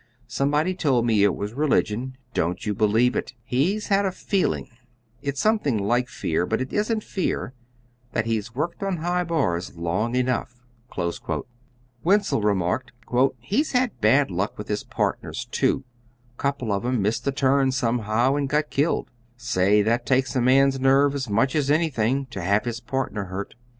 Somebody told me it was religion. Don't you believe it. He's had a feeling it's something like fear, but it isn't fear that he's worked on high bars long enough." "He's had bad luck with his partners, too," remarked Weitzel. "Couple of 'em missed the turn somehow and got killed. Say, that takes a man's nerve as much as anything, to have his partner hurt.